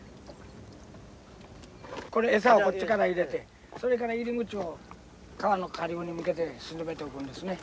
これ餌をこっちから入れてそれから入り口を川の下流に向けて沈めておくんですね。